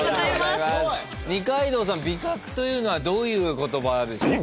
二階堂さん「びかく」というのはどういう言葉でしょう？